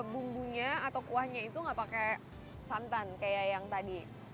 bumbunya atau kuahnya itu nggak pakai santan kayak yang tadi